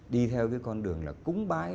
đi theo cái con đường là cúng bái